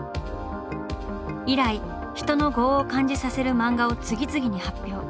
以来人の「業」を感じさせる漫画を次々に発表。